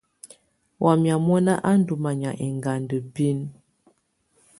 Wamɛ̀á mɔna á ndù manyà ɛŋganda binǝ.